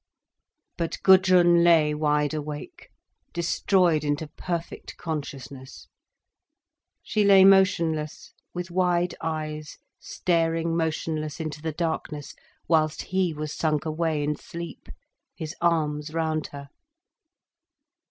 But Gudrun lay wide awake, destroyed into perfect consciousness. She lay motionless, with wide eyes staring motionless into the darkness, whilst he was sunk away in sleep, his arms round her.